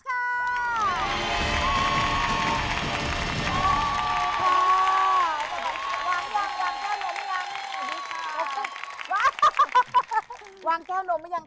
วางยังวางแห้วหรือยัง